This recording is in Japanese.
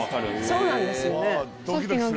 そうなんですよね。